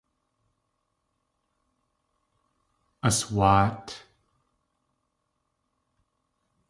Aswáat.